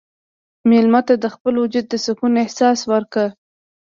مېلمه ته د خپل وجود د سکون احساس ورکړه.